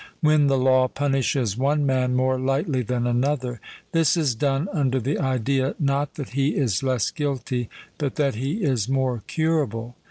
When the law punishes one man more lightly than another, this is done under the idea, not that he is less guilty, but that he is more curable.